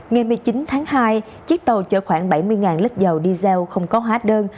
ngày một mươi chín tháng hai chiếc tàu chở khoảng bảy mươi lít dầu dso không có hóa đơn